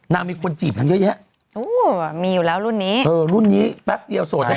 น่ามีคนจีบเยอะมีอยู่แล้วรุ่นนี้รุ่นนี้แป๊บเดียวโสด